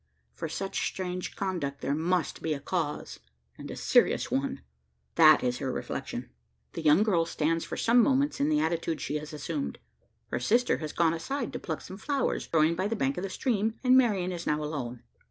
For such strange conduct there must be a cause, and a serious one: that is her reflection. The young girl stands for some moments in the attitude she has assumed. Her sister has gone aside to pluck some flowers growing by the bank of the stream, and Marian is now alone.